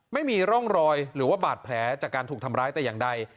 ไม่มีร่องรอยหรือว่าบาดแผลจากการถูกทำร้ายแต่อย่างใด